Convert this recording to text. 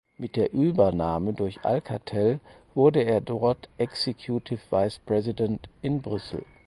Mit der Übernahme durch Alcatel wurde er dort Executive Vice President in Brüssel.